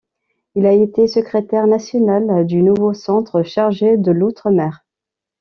Il a été secrétaire national du Nouveau Centre, chargé de l'outre-mer.